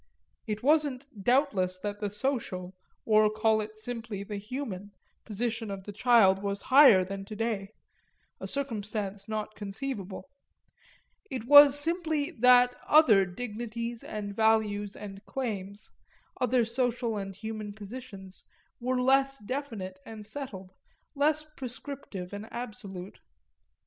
It wasn't doubtless that the social, or call it simply the human, position of the child was higher than to day a circumstance not conceivable; it was simply that other dignities and values and claims, other social and human positions, were less definite and settled, less prescriptive and absolute.